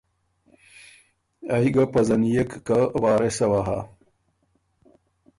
ائ ګه پزنيېک که وارثه وه هۀ۔